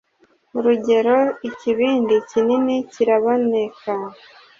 Urugero Ikibindi kinini kiraboneka